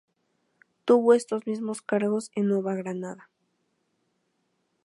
Tuvo estos mismo cargos en Nueva Granada.